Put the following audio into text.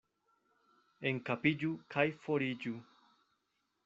Enpakiĝu kaj foriĝu.